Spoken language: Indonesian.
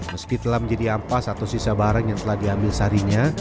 meski telah menjadi ampas atau sisa barang yang telah diambil seharinya